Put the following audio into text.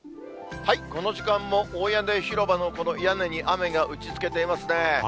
この時間も大屋根広場のこの屋根に雨が打ちつけていますね。